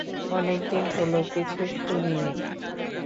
অনেক দিন হল কিছু শুনিনি।